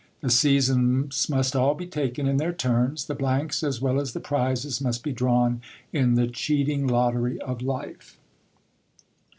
The seasons must all be taken in their turns ; the blanks as well as the prizes must be drawn in the cheating lottery of life.